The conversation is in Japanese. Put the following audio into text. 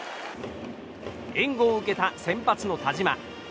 援護を受けた先発の田嶋。